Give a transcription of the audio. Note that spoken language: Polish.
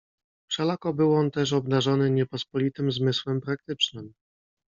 "Wszelako był on też obdarzony niepospolitym zmysłem praktycznym."